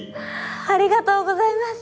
ありがとうございます！